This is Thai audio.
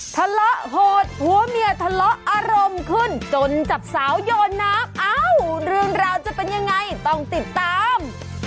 ทะเลาะโหดผัวเมียทะเลาะอารมณ์ขึ้นจนจับสาวโยนน้ำเอ้าเรื่องราวจะเป็นยังไงต้องติดตาม